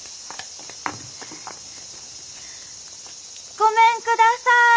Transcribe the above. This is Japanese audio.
ごめんください。